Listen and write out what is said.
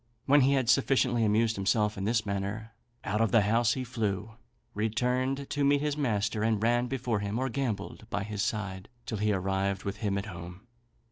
When he had sufficiently amused himself in this manner, out of the house he flew, returned to meet his master, and ran before him, or gambolled by his side, till he arrived with him at home.